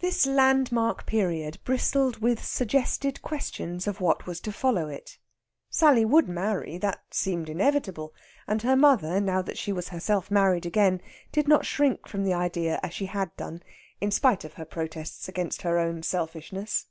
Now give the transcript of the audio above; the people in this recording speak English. This landmark period bristled with suggested questions of what was to follow it. Sally would marry that seemed inevitable; and her mother, now that she was herself married again, did not shrink from the idea as she had done, in spite of her protests against her own selfishness.